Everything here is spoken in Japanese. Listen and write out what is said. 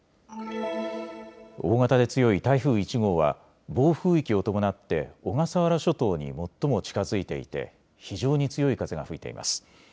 大型で強い台風１号は暴風域を伴って小笠原諸島に最も近づいていて非常に強い風が吹いています。